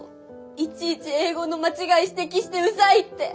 いちいち英語の間違い指摘してうざいって。